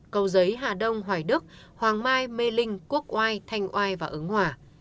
cầu giấy hà đông hoài đức hoàng mai mê linh quốc oai thanh oai và ứng hòa